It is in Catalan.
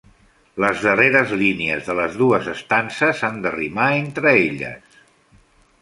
Les darreres línies de les dues estances han de rimar entre elles.